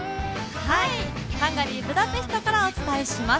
ハンガリー・ブダペストからお伝えします。